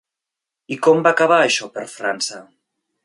I com va acabar això per França?